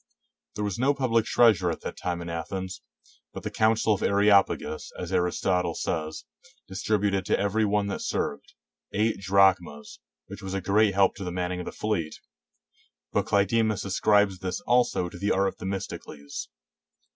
There was no public treasure at that time in Athens; but the council of Areopagus, as Aristotle says, dis tributed to every one that served, eight drachmas, ^ which was a great help to the manning of the fleet; but Clidemus ascribes this also to the art of Themistocles.